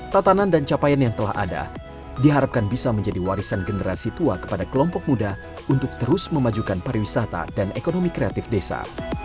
tatanan dan capaian yang telah ada diharapkan bisa menjadi warisan generasi tua kepada kelompok muda untuk terus memajukan pariwisata dan ekonomi kreatif desa